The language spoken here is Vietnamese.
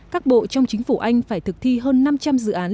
các bộ trong chính phủ anh phải thực thi hơn năm trăm linh dự án